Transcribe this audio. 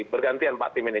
bergantian pak tim ini